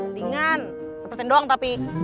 dingan sepersen doang tapi